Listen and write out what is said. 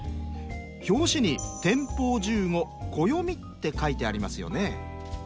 表紙に「天保十五暦」って書いてありますよね。